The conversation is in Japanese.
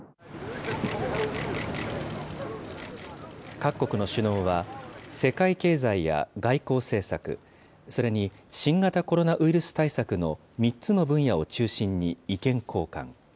各国の首脳は世界経済や外交政策、それに新型コロナウイルス対策の３つの分野を中心に意見交換。